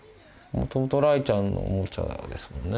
もともと雷ちゃんのおもちゃですもんね。